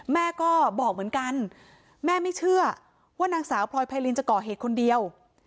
แม่ก็บอกเหมือนกันแม่ไม่เชื่อว่านางสาวพลอยไพรินจะก่อเหตุคนเดียว